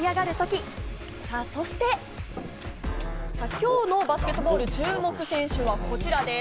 きょうのバスケットボール、注目選手はこちらです。